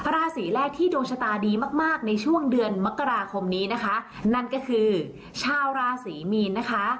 ราศีแรกที่ดวงชะตาดีมากมากในช่วงเดือนมกราคมนี้นะคะนั่นก็คือชาวราศรีมีนนะคะ